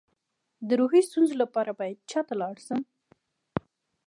د روحي ستونزو لپاره باید چا ته لاړ شم؟